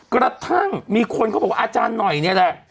กระทั่งมีคนเขาบอกว่าอาจารย์หน่อยเนี่ยแหละ